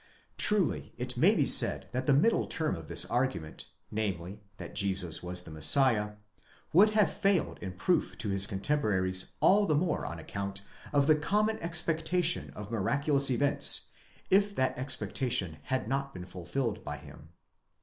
8 Truly it may be said that the middle term of this argument, namely, that Jesus was the Messiah, would have failed in proof to his contemporaries. all the more on account of the common expectation of miraculous events, if that expectation had not been fulfilled by him.